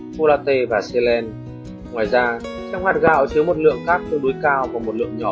chua latte và xe len ngoài ra trong hạt gạo chứa một lượng carb tương đối cao và một lượng nhỏ